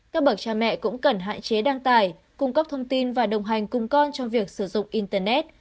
các bậc cha mẹ cũng cần hạn chế đăng tải cung cấp thông tin và đồng hành cùng con trong việc sử dụng internet